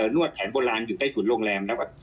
นวดแผนโบราณอยู่ใต้ฐุนโรงแรมนะครับ